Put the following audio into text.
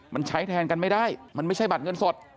มันใช้แทนกันไม่ได้มันไม่ใช่บัตรเงินสด